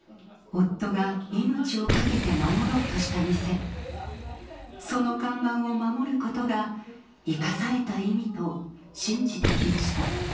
夫が命を懸けて守ろうとした店その看板を守ることが生かされた意味と信じてきました